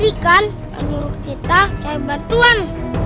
ikan lalu kita cari bantuan